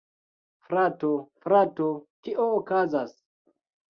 Frato, frato! Kio okazas?